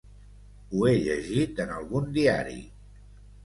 Ho he llegit en algun diari.